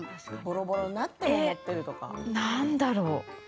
何だろう？